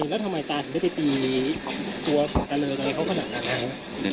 แล้วทำไมตาถึงได้ตีตัวสุดทะเลตรงกับเขาขนาดไหน